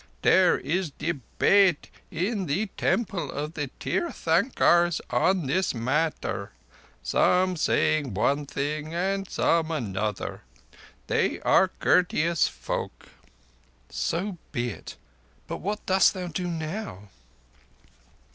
There is debate in the Temple of the Tirthankars on this matter; some saying one thing, and some another. They are courteous folk." "So be it; but what dost thou do now?"